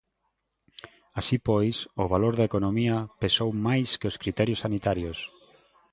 Así pois, o valor da economía pesou máis que os criterios sanitarios.